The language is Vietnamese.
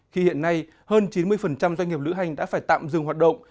khi hiện nay hơn chín mươi doanh nghiệp lữ hành đã phải tạm dừng hoạt động